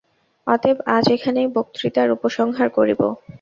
অতএব আজ এখানেই বক্তৃতার উপসংহার করিব।